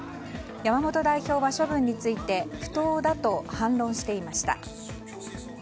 山本代表は処分について不当だと反論していました。